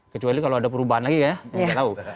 kecuali kalau ada perubahan lagi ya kita tahu